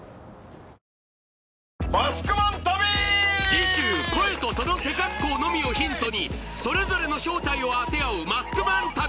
次週声とその背格好のみをヒントにそれぞれの正体を当て合うマスクマン旅